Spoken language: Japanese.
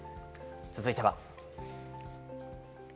続いては。